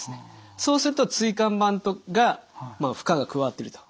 そうすると椎間板が負荷が加わってると。